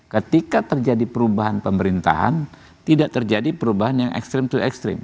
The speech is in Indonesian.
ketika terjadi perubahan pemerintahan tidak terjadi perubahan yang ekstrim atau ekstrim